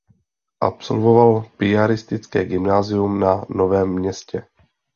Absolvoval piaristické gymnázium na Novém Městě.